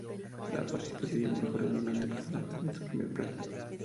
La participación y el mejor rendimiento personal están en primer plano.